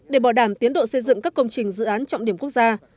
để bảo đảm tiến độ xây dựng các công trình dự án trọng điểm quốc gia